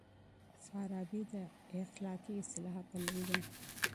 فارابي د اخلاقي اصلاح پلوی دی.